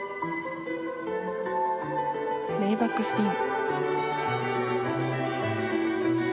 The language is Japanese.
レイバックスピン。